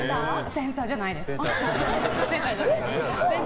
センターではないです。